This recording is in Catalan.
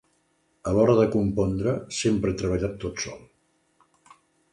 A l’hora de compondre, sempre he treballat tot sol.